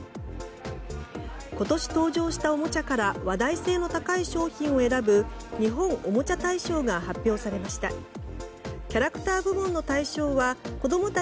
今年登場したおもちゃから話題性の高い商品を選ぶ日本おもちゃ大賞が発表されました。